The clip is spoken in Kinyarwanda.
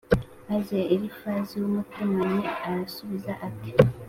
maze elifazi w’umutemani arasubiza ati